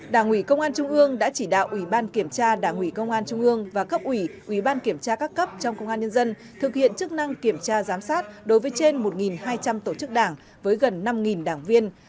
đảng ủy công an trung ương đã chỉ đạo ủy ban kiểm tra đảng ủy công an trung ương và cấp ủy ủy ban kiểm tra các cấp trong công an nhân dân thực hiện chức năng kiểm tra giám sát đối với trên một hai trăm linh tổ chức đảng với gần năm đảng viên